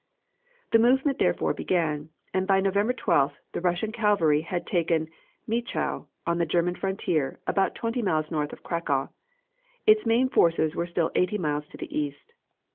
The movement therefore began, and by November 12th, the Russian cavalry had taken Miechow on the German frontier, about twenty miles north of Cracow. Its main forces were still eighty miles to the east.